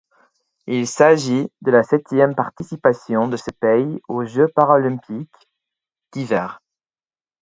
Il s'agit de la septième participation de ce pays aux Jeux paralympiques d'hiver.